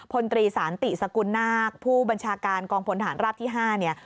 พลตรีสานติสกุลนาคผู้บัญชาการกองพลฐานราบที่๕เนี่ย